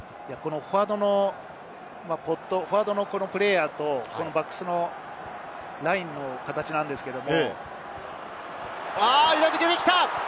フォワードのプレーヤーとバックスのラインの形なんですけれど。